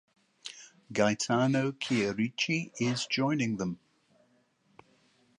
Gaetano Chierici is joining them.